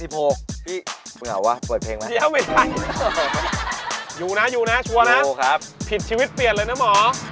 พี่มึงหาว่าปล่อยเพลงไหมอยู่นะชัวร์นะผิดชีวิตเปลี่ยนเลยนะหมอ